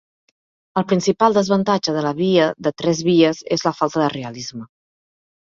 El principal desavantatge de la via de tres vies és la falta de realisme.